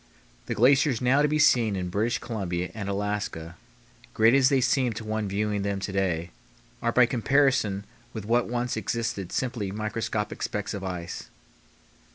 The glaciers now to be seen in British Columbia and Alaska, great as they seem to one viewing them to day, are by comparison with what once existed simply microscopic specks of ice.